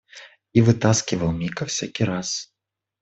И вытаскивал Мика всякий раз.